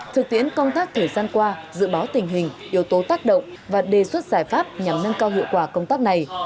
thực tiễn công tác thời gian qua dự báo tình hình yếu tố tác động và đề xuất giải pháp nhằm nâng cao hiệu quả công tác này